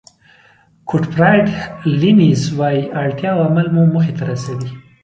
ګوټفراید لیبنېز وایي اړتیا او عمل مو موخې ته رسوي.